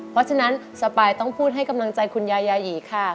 เพราะฉะนั้นสปายต้องพูดให้กำลังใจคุณยายาหยีค่ะ